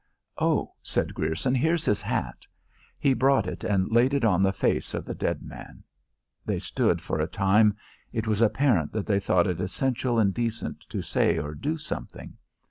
"Oh," said Grierson, "here's his hat." He brought it and laid it on the face of the dead man. They stood for a time. It was apparent that they thought it essential and decent to say or do something.